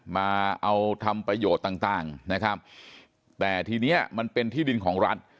มาเอาทำประโยชน์ต่างต่างนะครับแต่ทีนี้มันเป็นที่ดินของรัฐ